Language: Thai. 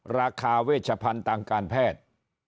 ราคาเวชพันธุ์ทางการแพทย์